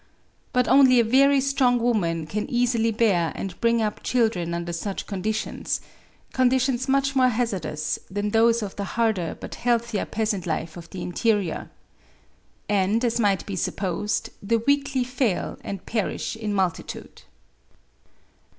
But only a. very strong woman can easily bear and bring up children under such conditions, — conditions much more hazardous than those of the harder but healthier peasant life of the interior. And, as might be supposed, the weakly fail and perish in multitude.